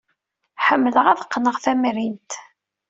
Ḥemmleɣ ad qqneɣ tamrint.